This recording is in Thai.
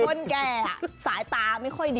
เป็นคนแก่สายตายังไม่ค่อยดี